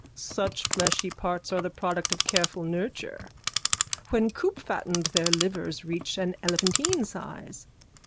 Such fleshy parts are the product of careful nurture. When coopfattened their livers reach an elephantine size.